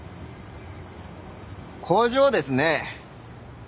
工場ですね。